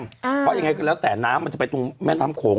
เพราะยังไงก็แล้วแต่น้ำมันจะไปตรงแม่น้ำโขง